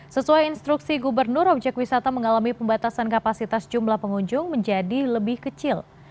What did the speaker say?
sesuai instruksi gubernur objek wisata mengalami pembatasan kapasitas jumlah pengunjung menjadi lebih kecil